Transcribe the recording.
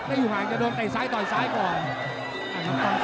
อ้าวถูกเต้นมาก